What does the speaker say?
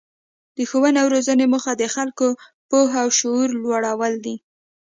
د ښوونې او روزنې موخه د خلکو پوهه او شعور لوړول دي.